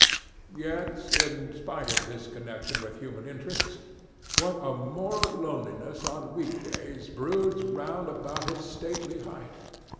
Yet, in spite of this connection with human interests, what a moral loneliness on week days broods round about its stately height!